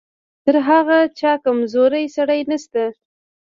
تر هغه چا کمزوری سړی نشته.